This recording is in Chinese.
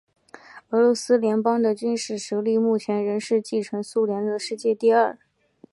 俄罗斯联邦的军事实力目前仍然是继承苏联的世界第二。